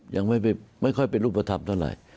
ยังไม่ค่อยเป็นรูปธรรมเท่าไหร่